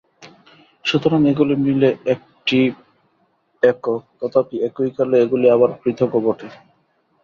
সুতরাং এগুলি মিলে একটি একক, তথাপি একইকালে এগুলি আবার পৃথকও বটে।